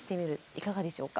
いかがでしょうか？